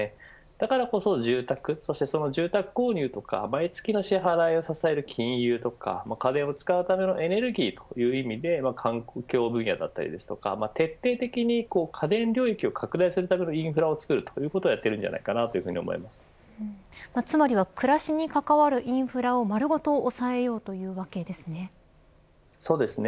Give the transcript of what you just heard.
だからこそ住宅そしてその住宅購入とか毎月の支払いを支える金融とか家電を使うためのエネルギーという意味で環境分野だったり徹底的に家電領域を拡大するためのインフラを作ろうとしているのだとつまりは暮らしに関わるインフラを丸ごと押さえようそうですね。